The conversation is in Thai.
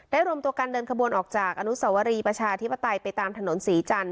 รวมตัวกันเดินขบวนออกจากอนุสวรีประชาธิปไตยไปตามถนนศรีจันท